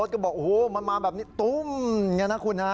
ก็บอกโอ้โหมันมาแบบนี้ตุ้มอย่างนี้นะคุณฮะ